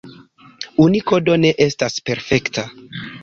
Unikodo ne estas perfekta.